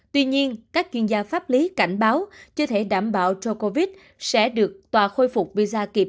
tuy nhiên các chuyên gia pháp lý cảnh báo chưa thể đảm bảo cho covid sẽ được tòa khôi phục visa kịp